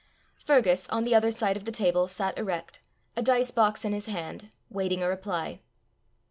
Fergus, on the other side of the table, sat erect, a dice box in his hand, waiting a reply.